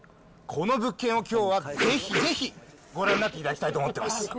この物件をきょうはぜひぜひ、ご覧になっていただきたいと思ってます。